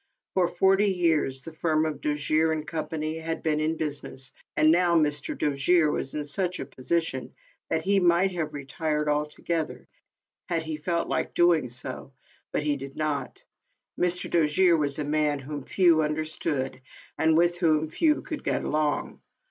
For forty years the firm of Dojere & Co. had been in business, and now Mr. Dojere was in such a position that he might have re tired altogether, had he felt like so doing, but he did not. Mr. Dojere was a man whom few un derstood, and with whom few could get along.